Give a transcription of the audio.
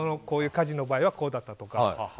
こういう火事の場合はこうだったとか。